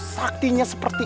saktinya seperti ini